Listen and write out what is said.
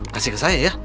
kasih ke saya ya